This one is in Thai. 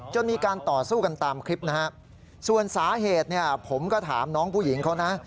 มีการต่อสู้กันตามคลิปนะฮะส่วนสาเหตุเนี่ยผมก็ถามน้องผู้หญิงเขานะ